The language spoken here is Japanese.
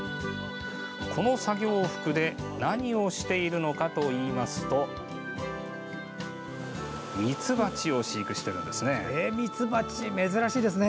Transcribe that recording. この作業服で何をしているのかといいますとミツバチを飼育してるんですね。